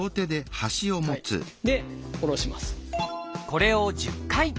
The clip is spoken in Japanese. これを１０回。